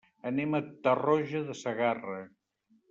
Anem a Tarroja de Segarra.